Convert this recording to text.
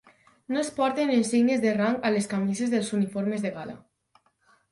No es porten insígnies de rang a les camises dels uniformes de gala.